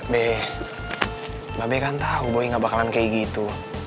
be mba be kan tau boy gak bakalan kayak gitu